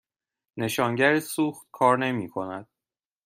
نشانگر سوخت کار نمی کند.